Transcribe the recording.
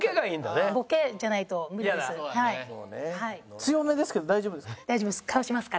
強めですけど大丈夫ですか？